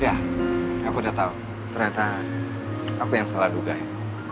ya aku udah tahu ternyata aku yang salah duga ya